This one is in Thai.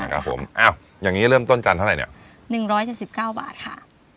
ครับผมอ้าวอย่างงี้เริ่มต้นจันทร์เท่าไหร่เนี่ยหนึ่งร้อยเจ็ดสิบเก้าบาทค่ะ